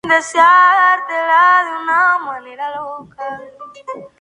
El giro puede verse en vídeo en la página AviationExplorer.com.